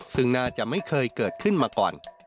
ซึ่งน่าจะไม่เคยเกิดขึ้นมาก่อน